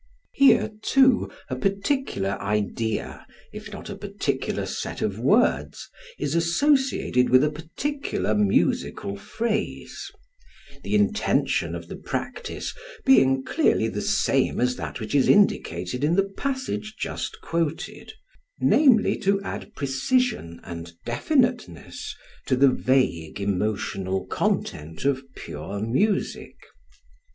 Here too a particular idea, if not a particular set of words, is associated with a particular musical phrase; the intention of the practice being clearly the same as that which is indicated in the passage just quoted, namely to add precision and definiteness to the vague emotional content of pure music.